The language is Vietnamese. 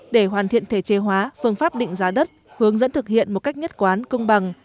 để hoàn thiện thể chế hóa phương pháp định giá đất hướng dẫn thực hiện một cách nhất quán công bằng